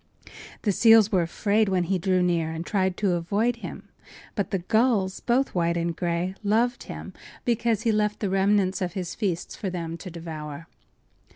The seals were afraid when he drew near, and tried to avoid him; but the gulls, both white and gray, loved him because he left the remnants of his feasts for them to devour.